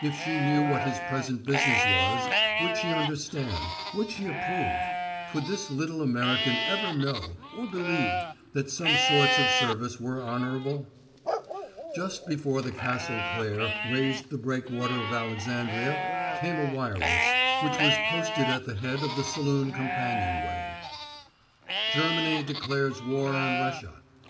If she knew what his present business was, would she understand; would she approve? Could this little American ever know, or believe, that some sorts of service were honorable? Just before the Castle Claire raised the breakwater of Alexandria came a wireless, which was posted at the head of the saloon companionway: "Germany declares war on Russia.